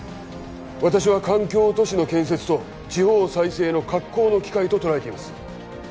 私は環境都市の建設と地方再生の格好の機会ととらえています